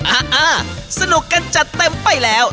อ่าสนุกกันจัดเต็มไปแล้ว